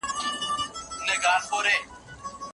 استاد د علمي پرمختګونو په اړه خبر دی.